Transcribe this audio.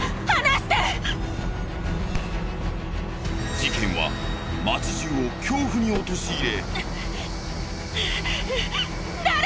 事件は町じゅうを恐怖に陥れ。